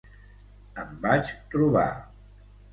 Em vaig trobar.